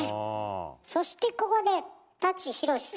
そしてここで舘ひろしさん